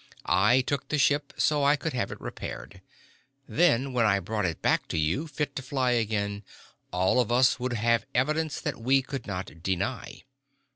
I took the ship so I could have it repaired. Then, when I brought it back to you, fit to fly again, all of us would have evidence that we could not deny.